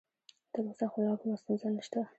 تر اوسه خو لا کومه ستونزه نشته.